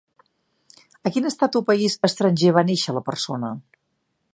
A quin estat o país estranger va néixer la persona?